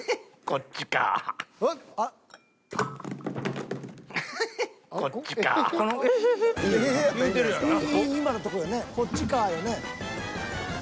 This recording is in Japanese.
［「こっちか」やね？］